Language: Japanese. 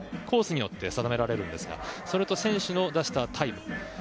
コースによって定められるんですがそれと選手が出したタイム。